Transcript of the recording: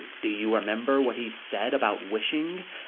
Do you remember what he said about wishing.